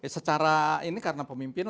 secara ini karena pemimpin